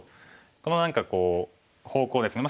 この何か方向ですね。